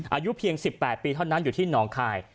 อายุเพียง๑๘ปีเท่านั้นอยู่ที่หนองคาย